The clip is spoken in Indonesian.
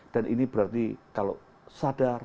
dan ini berarti kalau sadar